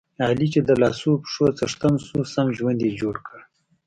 علي چې د لاسو پښو څښتن شو، سم ژوند یې جوړ کړ.